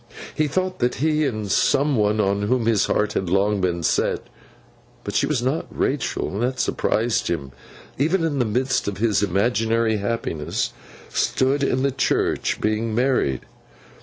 He thought that he, and some one on whom his heart had long been set—but she was not Rachael, and that surprised him, even in the midst of his imaginary happiness—stood in the church being married.